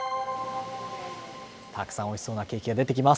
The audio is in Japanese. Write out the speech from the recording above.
たくさんおいしそうなケーキが出てきます。